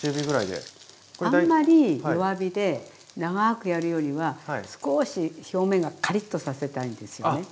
あんまり弱火で長くやるよりはすこし表面がカリッとさせたいんですよね。